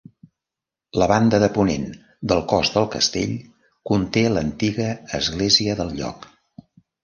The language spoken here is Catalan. La banda de ponent del cos del castell conté l'antiga església del lloc.